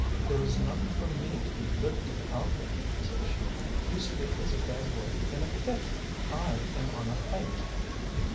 "There is nothing for me to be lifted out of," said she. "You speak as if I were in a pit. I am on a height."